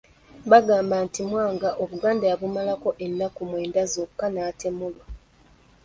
Bagamba nti Mwanga Obuganda yabumalako ennaku mwenda zokka n'atemulwa.